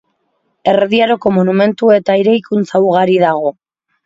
Erdi Aroko monumentu eta eraikuntza ugari dago.